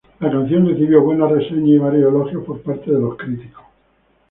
La canción recibió buenas reseñas y varios elogios por parte de los críticos.